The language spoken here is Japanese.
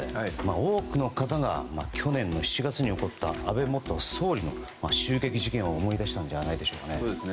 多くの方が去年の７月に起こった安倍元総理の襲撃事件を思い出したのでないでしょうか。